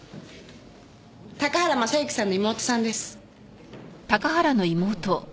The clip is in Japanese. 高原雅之さんの妹さんです。